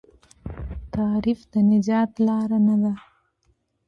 تحریف د نجات لار نه ده.